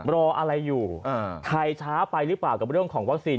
รออะไรอยู่ไทยช้าไปหรือเปล่ากับเรื่องของวัคซีน